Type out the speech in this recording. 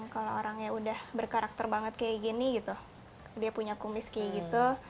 kalau orangnya udah berkarakter banget kayak gini gitu dia punya kumis kayak gitu